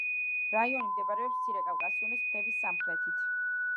რაიონი მდებარეობს მცირე კავკასიონის მთების სამხრეთით.